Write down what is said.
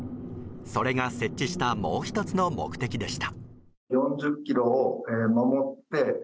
それが設置したもう１つの目的でした。